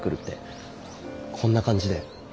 こんな感じで。